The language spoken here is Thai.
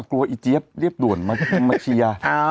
กลัวอีเจี๊ยบรีบด่วนมาเชียร์